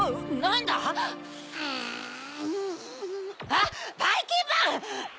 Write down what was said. あっばいきんまん！